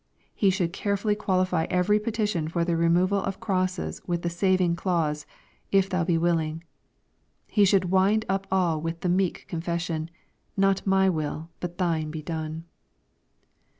He should care fully qualify every petition for the removal of crosses . with the saving clause, " If thou be willing." He should wind up all with the meek confession, " Not my will, but thine be done.''